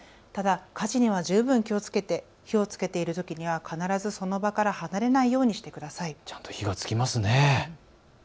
ただ火事には十分、気をつけて火をつけているときには必ずその場から離れないようにしてください。